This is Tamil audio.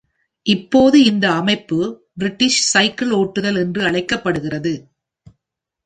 இப்போது இந்தஅமைப்பு பிரிட்டிஷ் சைக்கிள் ஓட்டுதல் என்று அழைக்கப்படுகிறது